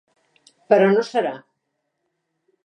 Però no serà.